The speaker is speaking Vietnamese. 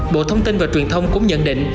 bộ thông tin và truyền thông cũng nhận định